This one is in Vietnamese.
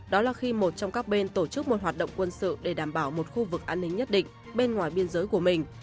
đó là khi một trong các bên tổ chức một hoạt động quân sự để đảm bảo một khu vực an ninh nhất định bên ngoài biên giới của mình